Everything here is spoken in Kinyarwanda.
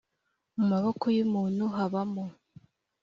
mu maboko y umuntu habamo